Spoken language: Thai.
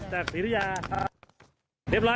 ต้องทำบุญเยอะเลยครับ